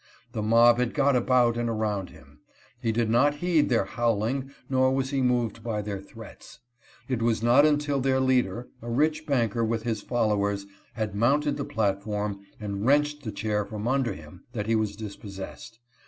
The mob had got about and around him. He did not heed their howling nor was he moved by their threats. It was not until their leader, a rich banker, with his fol lowers, had mounted the platform and wrenched the chair from under him that he was dispossessed.